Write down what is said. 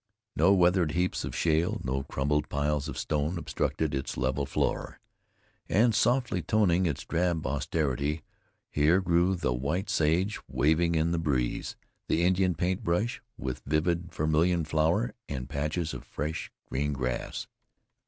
No weathered heaps of shale, no crumbled piles of stone obstructed its level floor. And, softly toning its drab austerity, here grew the white sage, waving in the breeze, the Indian Paint Brush, with vivid vermilion flower, and patches of fresh, green grass.